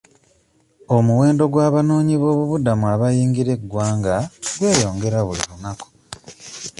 Omuwendo gw'abanoonyiboobubudamu abayingira eggwanga gweyongera buli lunaku.